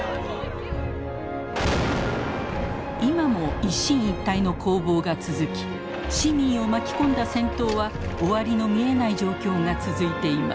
今も一進一退の攻防が続き市民を巻き込んだ戦闘は終わりの見えない状況が続いています。